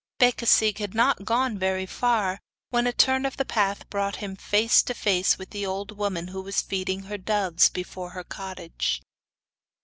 Becasigue had not gone very far, when a turn of the path brought him face to face with the old woman who was feeding her doves before her cottage.